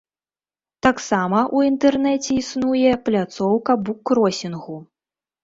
Таксама ў інтэрнэце існуе пляцоўка буккросінгу.